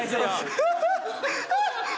ハハハハ！